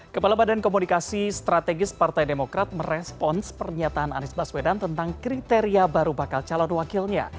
kepala badan komunikasi strategis partai demokrat merespons pernyataan anies baswedan tentang kriteria baru bakal calon wakilnya